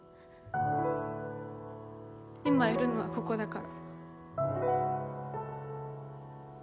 今いるのはここだから。